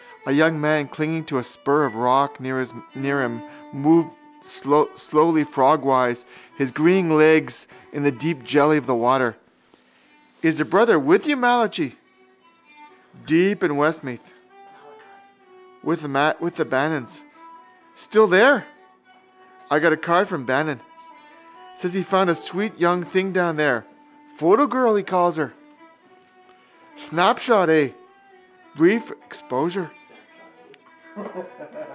A young man clinging to a spur of rock near him, moved slowly frogwise his green legs in the deep jelly of the water. —Is the brother with you, Malachi? —Down in Westmeath. With the Bannons. —Still there? I got a card from Bannon. Says he found a sweet young thing down there. Photo girl he calls her. —Snapshot, eh? Brief exposure.